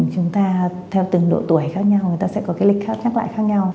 chúng ta theo từng độ tuổi khác nhau người ta sẽ có cái lịch khác nhắc lại khác nhau